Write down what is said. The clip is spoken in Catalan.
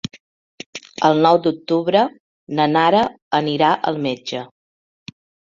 El nou d'octubre na Nara anirà al metge.